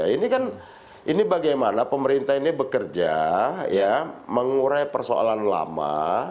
ini kan ini bagaimana pemerintah ini bekerja mengurai persoalan lama